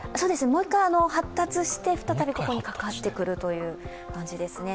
もう一回発達してここにかかってくるという感じですね。